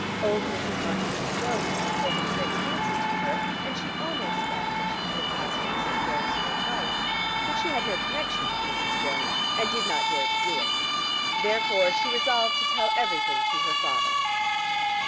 Old Mrs. Montacute Jones had taken a great fancy to her, and she almost thought that she could have asked Mrs. Jones for advice; but she had no connection with Mrs. Jones, and did not dare to do it. Therefore she resolved to tell everything to her father.